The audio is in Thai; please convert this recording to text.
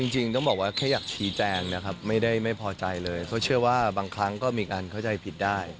จริงต้องบอกว่าแค่อยากชี้แจงนะครับไม่ได้ไม่พอใจเลยเขาเชื่อว่าบางครั้งก็มีการเข้าใจผิดได้